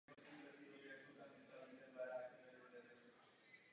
Jedná se o digitální joystick.